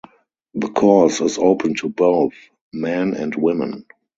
The course is open to both men and women.